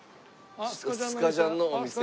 あっスカジャンのお店。